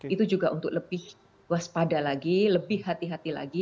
itu juga untuk lebih waspada lagi lebih hati hati lagi